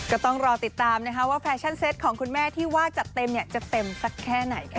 ก็ต้องรอติดตามนะคะว่าแฟชั่นเซตของคุณแม่ที่ว่าจัดเต็มจะเต็มสักแค่ไหนค่ะ